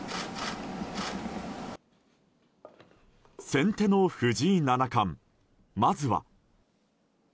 先手の藤井七冠、まずは。